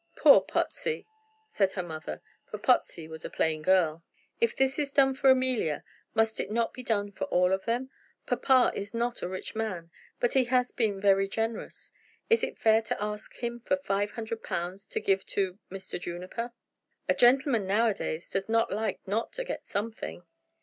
"Poor Potsey!" said the mother. For Potsey was a plain girl. "If this be done for Amelia, must it not be done for all of them? Papa is not a rich man, but he has been very generous. Is it fair to ask him for five hundred pounds to give to Mr. Juniper?" "A gentleman nowadays does not like not to get something."